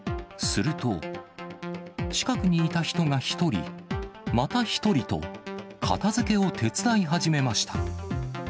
すると、近くにいた人が１人、また１人と、片づけを手伝い始めました。